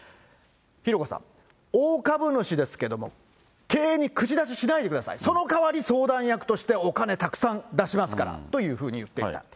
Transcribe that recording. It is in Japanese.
浩子さん、大株主ですけれども、経営に口出ししないでください、その代わり、相談役としてお金たくさん出しますからというふうに言っていた。